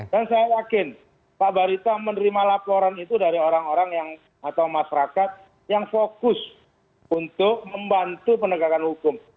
dan saya yakin pak barita menerima laporan itu dari orang orang atau masyarakat yang fokus untuk membantu penegakan hukum